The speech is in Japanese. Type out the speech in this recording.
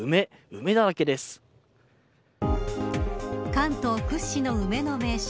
関東屈指の梅の名所